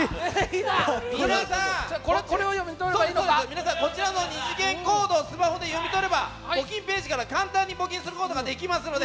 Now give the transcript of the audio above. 皆さん、こちらの２次元コード、スマホで読み取れば、募金ページから簡単に募金することができますので。